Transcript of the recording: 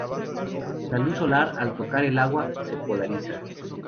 La luz solar, al tocar el agua, se polariza.